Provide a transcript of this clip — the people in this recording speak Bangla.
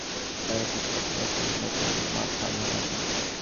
নিজের ছবি প্রসঙ্গ বিদ্যা জানিয়েছেন, সংখ্যা নিয়ে তিনি মোটেও মাথা ঘামান না।